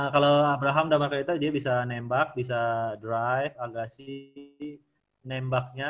kalau abraham damar grahita dia bisa nembak bisa drive agassi nembaknya